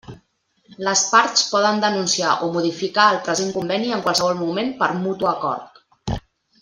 Les parts poden denunciar o modificar el present conveni en qualsevol moment per mutu acord.